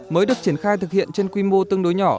mới được triển khai thực hiện trên quy mô tương đối nhỏ